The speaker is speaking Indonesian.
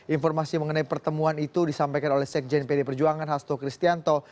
informasi mengenai pertemuan itu disampaikan oleh sekjen pd perjuangan hasto kristianto